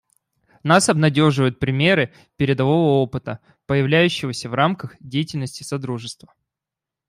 Нас обнадеживают примеры передового опыта, появляющиеся в рамках деятельности Содружества.